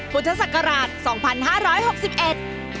พุทธศักราช๒๕๖๑